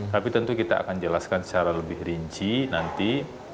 tapi tentu kita akan jelaskan secara lebih rinci nanti